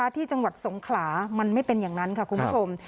ที่จังหวัดสงขลามันไม่เป็นอย่างนั้นค่ะคุณผู้ชม